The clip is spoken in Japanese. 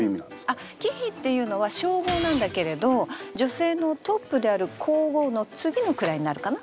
あっ貴妃っていうのは称号なんだけれど女性のトップである皇后の次の位になるかな。